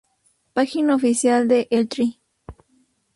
Página oficial de El Tri